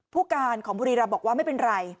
ผู้การของบุรีรำบอกว่าไม่เป็นไร